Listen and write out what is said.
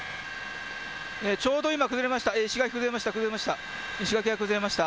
ちょうど今、崩れました。